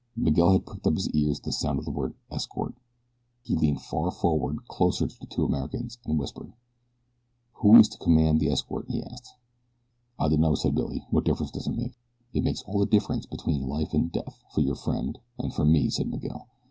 Miguel had pricked up his ears at the sound of the word ESCORT. He leaned far forward, closer to the two Americans, and whispered. "Who is to command the escort?" he asked. "I dunno," said Billy. "What difference does it make?" "It makes all the difference between life and death for your friend and for me," said Miguel.